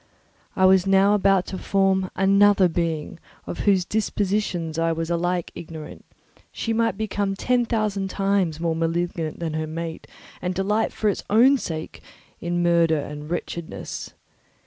I was now about to form another being of whose dispositions I was alike ignorant; she might become ten thousand times more malignant than her mate and delight, for its own sake, in murder and wretchedness.